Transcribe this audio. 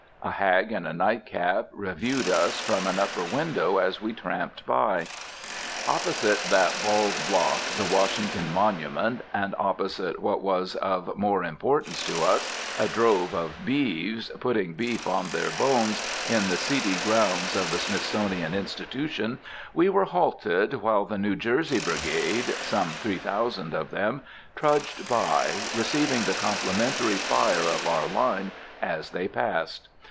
A hag in a nightcap reviewed us from an upper window as we tramped by. Opposite that bald block, the Washington Monument, and opposite what was of more importance to us, a drove of beeves putting beef on their bones in the seedy grounds of the Smithsonian Institution, we were halted while the New Jersey brigade some three thousand of them trudged by, receiving the complimentary fire of our line as they passed.